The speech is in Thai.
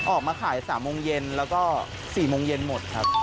ออกมาขาย๓โมงเย็นแล้วก็๔โมงเย็นหมดครับ